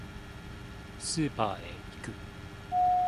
スーパーへ行く